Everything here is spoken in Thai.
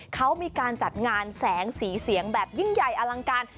เขามีการจัดงานแสงสีเสียงแบบยิ่งใหญ่อลังการ